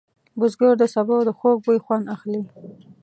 بزګر د سبو د خوږ بوی خوند اخلي